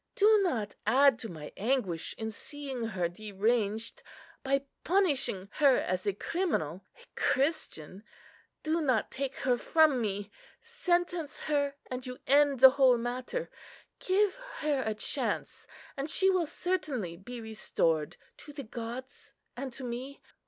Do not add to my anguish in seeing her deranged, by punishing her as a criminal, a Christian: do not take her from me. Sentence her, and you end the whole matter; give her a chance, and she will certainly be restored to the gods and to me.